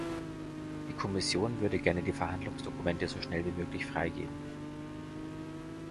Die Kommission würde gerne die Verhandlungsdokumente so schnell wie möglich freigeben.